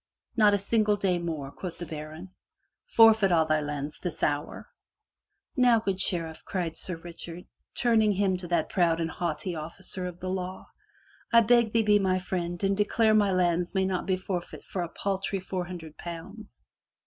'* "Not a single day more,*' quoth the baron. "Forfeit be all thy lands, this hour." "Now, good Sheriff, cried Sir Richard, turning him to that proud and haughty officer of the law. " I beg thee be my friend and declare my lands may not be forfeit for a paltry four hun dred pounds.